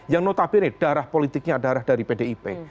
yang notabene darah politiknya darah dari pdip